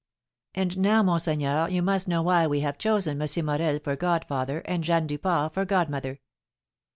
"And now, monseigneur, you must know why we have chosen M. Morel for godfather, and Jeanne Duport for godmother.